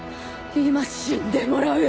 今死んでもらう！